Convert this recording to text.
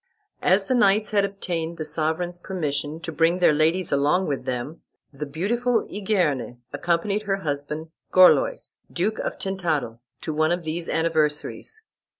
As the knights had obtained the sovereign's permission to bring their ladies along with them, the beautiful Igerne accompanied her husband, Gorlois, Duke of Tintadel, to one of these anniversaries.